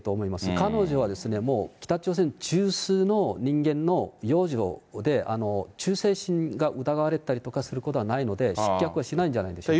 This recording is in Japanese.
彼女は、もう北朝鮮中枢の人間の養女で、忠誠心が疑われたりすることはないので、失脚はしないんじゃないでしょうか。